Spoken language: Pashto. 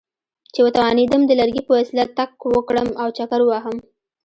چې وتوانېدم د لرګي په وسیله تګ وکړم او چکر ووهم.